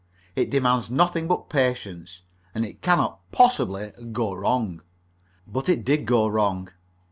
It demands nothing but patience, and it cannot possibly go wrong." But it did go wrong.